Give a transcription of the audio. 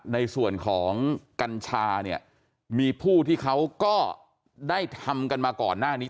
ในส่วนของกัญชาเนี่ยมีผู้ที่เขาก็ได้ทำกันมาก่อนหน้านี้